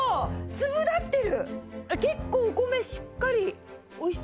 粒が立ってる！